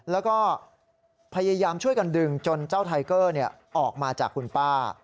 แล้วก็พยายามช่วยกันดึงจนเจ้าไทเกอร์ออกมาจากคุณป้า